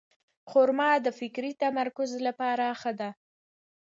خرما د فکري تمرکز لپاره ښه ده.